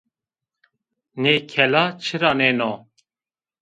Nêkela çira nêno?